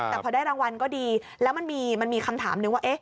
แต่พอได้รางวัลก็ดีแล้วมันมีคำถามนึงว่า